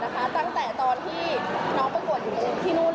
ต่อให้เขาจะไม่มีผลของการในการประกวดก็ตาม